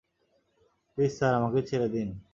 Please sir, আমাকে ছেড়ে দিন।